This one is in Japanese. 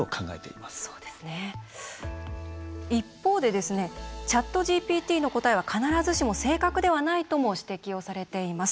一方でＣｈａｔＧＰＴの答えは必ずしも正確ではないと指摘されています。